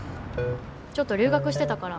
ちょっと留学してたから。